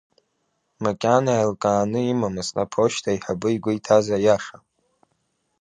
Макьана еилкааны имамызт, аԥошьҭа аиҳабы игәы иҭаз аиаша.